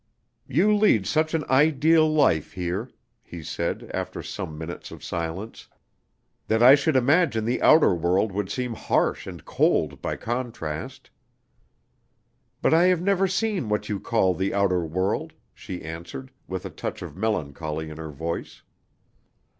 "You lead such an ideal life here," he said, after some minutes of silence, "that I should imagine the outer world would seem harsh and cold by contrast." "But I have never seen what you call the outer world," she answered, with a touch of melancholy in her voice.